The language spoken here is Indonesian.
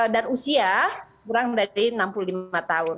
dan usia kurang lebih dari enam puluh lima tahun